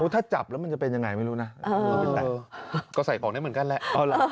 ถ้าจับแล้วมันจะเป็นยังไงไม่รู้นะก็ใส่ของได้เหมือนกันแหละ